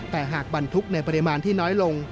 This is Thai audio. แต่หากบรรทุกในปริมาณที่น้อยลง